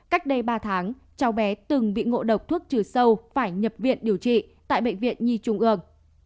cách đây ba tháng cháu bé từng bị ngộ độc thuốc trừ sâu phải nhập viện điều trị tại bệnh viện nhi trung ương